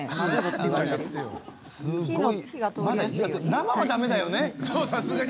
生はだめだよね。